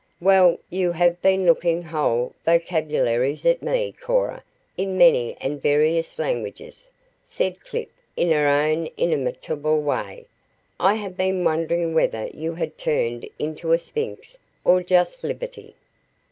"Well, you have been looking whole vocabularies at me, Cora, in many and various languages," said Clip in her own inimitable way. "I have been wondering whether you had turned into a Sphynx or just Liberty."